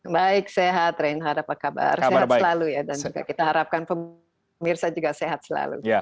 baik sehat reinhard apa kabar sehat selalu ya dan juga kita harapkan pemirsa juga sehat selalu